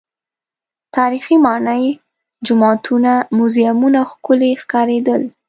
تاریخي ماڼۍ، جوماتونه، موزیمونه ښکلي ښکارېدل.